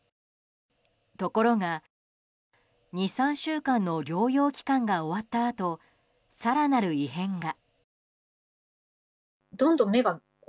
ところが２３週間の療養期間が終わったあと更なる異変が。